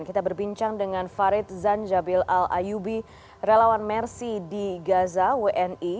kita berbincang dengan farid zanjabil al ayubi relawan mersi di gaza wni